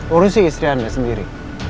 urusi istri anda sendiri